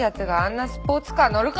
スポーツカー乗るか！？